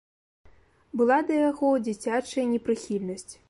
Была да яго дзіцячая непрыхільнасць.